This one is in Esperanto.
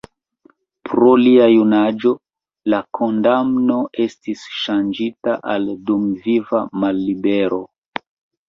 Pro lia junaĝo la kondamno estis ŝanĝita al dumviva mallibero.